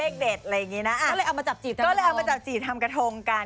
ก็เลยเอามาจับจีบทำกระทงกัน